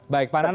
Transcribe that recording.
baik pak nanang